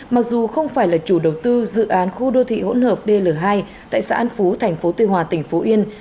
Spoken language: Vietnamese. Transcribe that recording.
mặc dù không phải là chủ đầu tư dự án khu đô thị hỗn hợp dl hai tại xã an phú thành phố tuy hòa tỉnh phú yên